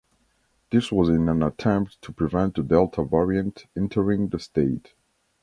This was in an attempt to prevent the delta variant entering the state.